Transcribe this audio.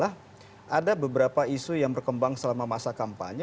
ada beberapa isu yang berkembang selama masa kampanye